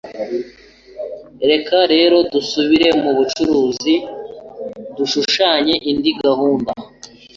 Reka rero dusubire mu bucuruzi dushushanye indi gahunda